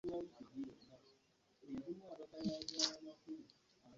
Ekibiina ekigatta zigavumenti, nga kissa essira ku nkozesa n’endabirira ey’awamu.